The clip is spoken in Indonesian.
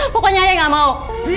pokoknya ayah gak mau